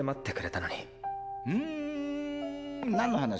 ん何の話？